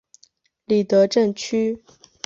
里德镇区。